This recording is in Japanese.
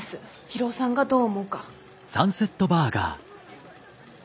博夫さんがどう思うか。